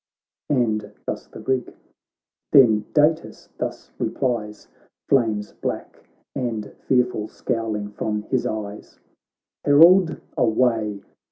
And thus the Greek : then Datis thus replies. Flames black and fearful scowling from his eyes :' Herald, away